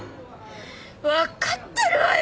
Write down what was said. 分かってるわよ！